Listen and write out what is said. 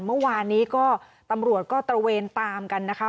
เมื่อวานนี้ก็ตำรวจก็ตระเวนตามกันนะคะ